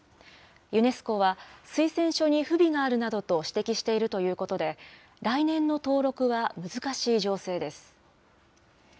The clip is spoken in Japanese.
ユネスコは推薦書に不備があるなどと指摘しているということで、来年の登録は難しい情勢です。